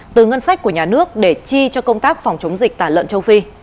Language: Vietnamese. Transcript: từ ngân sách của nhà nước để chi cho công tác phòng chống dịch tả lợn châu phi